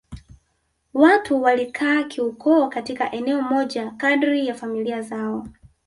Watu walikaa kiukoo katika eneo moja kadri ya familia zao